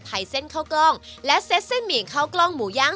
ไฟเส้นเครากล้องและเซ็นมีแม่เครากล้องหมูย่าง